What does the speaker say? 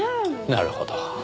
なるほど。